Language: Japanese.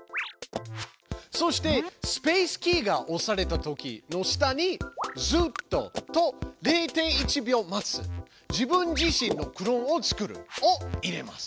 そして「スペースキーが押されたとき」の下に「ずっと」と「０．１秒待つ」「自分自身のクローンを作る」を入れます。